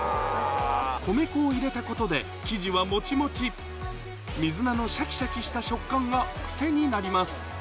米粉を入れたことで生地はモチモチ水菜のシャキシャキした食感が癖になります